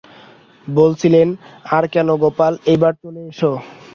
বলছিলেন, আর কেন গোপাল, এইবার চলে এসো।